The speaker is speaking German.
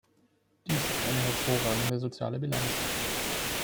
Dies ist eine hervorragende soziale Bilanz.